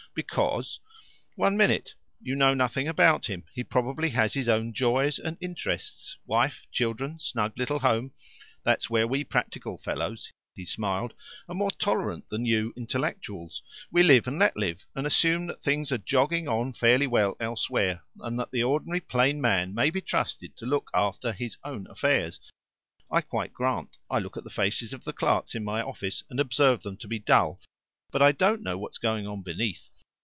"Because " "One minute. You know nothing about him. He probably has his own joys and interests wife, children, snug little home. That's where we practical fellows" he smiled "are more tolerant than you intellectuals. We live and let live, and assume that things are jogging on fairly well elsewhere, and that the ordinary plain man may be trusted to look after his own affairs. I quite grant I look at the faces of the clerks in my own office, and observe them to be dull, but I don't know what's going on beneath.